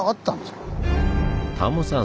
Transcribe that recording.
タモさん